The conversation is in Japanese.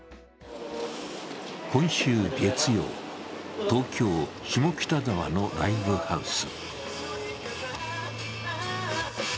今週月曜、東京・下北沢のライブハウス。